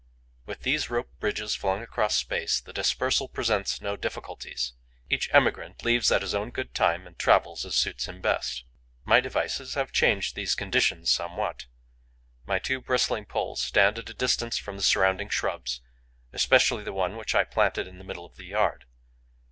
With these rope bridges flung across space, the dispersal presents no difficulties. Each emigrant leaves at his own good time and travels as suits him best. My devices have changed these conditions somewhat. My two bristling poles stand at a distance from the surrounding shrubs, especially the one which I planted in the middle of the yard.